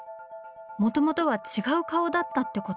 もともとは違う顔だったってこと？